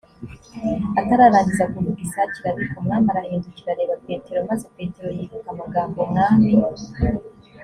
atararangiza kuvuga isake irabika umwami arahindukira areba petero maze petero yibuka amagambo umwami